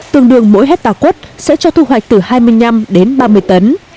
tương đương mỗi hectare quất sẽ cho thu hoạch từ hai mươi năm đến ba mươi tấn